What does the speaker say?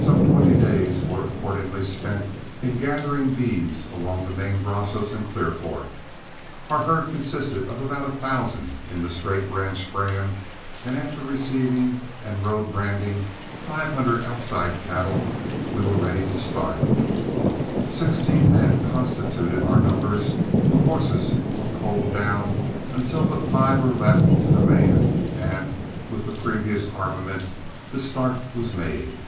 Some twenty days were accordingly spent in gathering beeves along the main Brazos and Clear Fork. Our herd consisted of about a thousand in the straight ranch brand, and after receiving and road branding five hundred outside cattle we were ready to start. Sixteen men constituted our numbers, the horses were culled down until but five were left to the man, and with the previous armament the start was made.